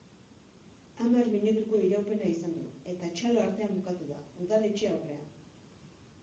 Hamar minutuko iraupena izan du eta txalo artean bukatu da, udaletxe aurrean.